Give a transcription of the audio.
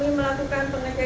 dan sesaat negara